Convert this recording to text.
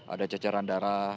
ada ceceran darah